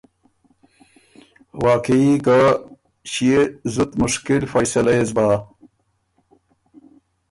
واقعي که ݭيې زُت مشکل فیَصلۀ يې سو بۀ۔